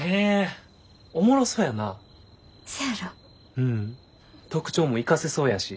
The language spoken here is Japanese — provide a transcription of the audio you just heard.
うん特徴も生かせそうやし。